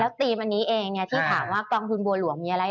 ทีมอันนี้เองที่ถามว่ากองทุนบัวหลวงมีอะไร